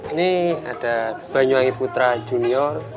ini ada banyuwangi putra junior